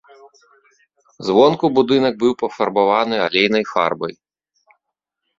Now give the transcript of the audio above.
Звонку будынак быў пафарбаваны алейнай фарбай.